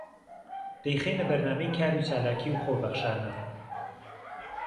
دهیخهینه بهرنامهی کار و چالاکی و خۆبهخشانه